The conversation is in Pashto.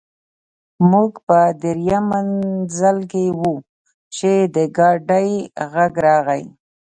موږ په درېیم منزل کې وو چې د ګاډي غږ راغی